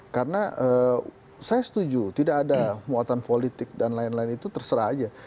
karena saya setuju tidak ada muatan politik dan lain lain itu terserah aja